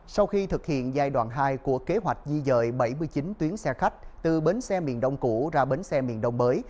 sau khi thực hiện giai đoạn hai của kế hoạch di dời bảy mươi chín tuyến xe khách từ bến xe miền đông cũ ra bến xe miền đông mới